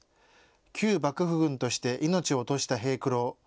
旧幕府軍として命を落とした平九郎。